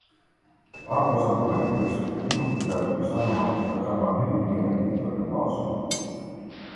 Arvoisa puhemies, minunkin täytyy sanoa, että tämä on hyvin mielenkiintoinen lausunto.